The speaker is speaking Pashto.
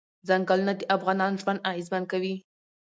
ځنګلونه د افغانانو ژوند اغېزمن کوي.